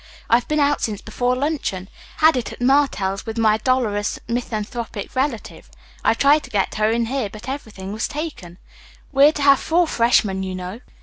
I've been out since before luncheon. Had it at Martell's with my dolorous, misanthropic relative. I tried to get her in here, but everything was taken. We are to have four freshmen, you know."